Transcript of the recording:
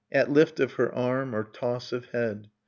At lift of her arm or toss of head.